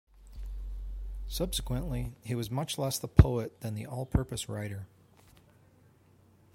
Subsequently he was much less the poet than the all-purpose writer.